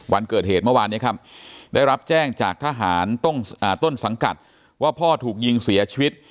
วันเกิดเหตุเมื่อวานนี้ครับได้รับแจ้งจากทหารต้นสังกัดว่าพ่อถูกยิงเสียชีวิต